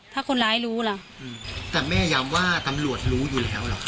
ถ้าคนร้ายรู้ล่ะแต่แม่ย้ำว่าตำรวจรู้อยู่แล้วล่ะครับ